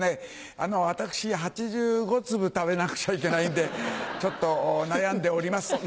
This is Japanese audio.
あの私８５粒食べなくちゃいけないんでちょっと悩んでおります。